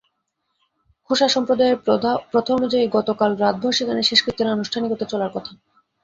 খোসা সম্প্রদায়ের প্রথা অনুযায়ী গতকাল রাতভর সেখানে শেষকৃত্যের আনুষ্ঠানিকতা চলার কথা।